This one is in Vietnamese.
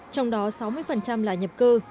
trong đó sáu mươi là nhập cư